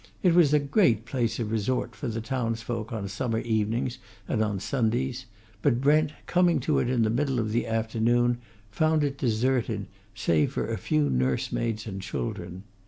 It was a great place of resort for the townsfolk on summer evenings and on Sundays, but Brent, coming to it in the middle of the afternoon, found it deserted, save for a few nursemaids and children.